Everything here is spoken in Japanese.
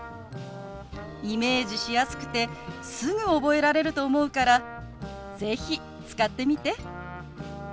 イメージしやすくてすぐ覚えられると思うから是非使ってみて。